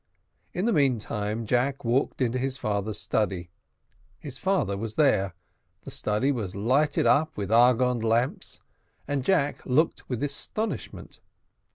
In the meantime, Jack walked into his father's study; his father was there the study was lighted up with argand lamps, and Jack looked with astonishment.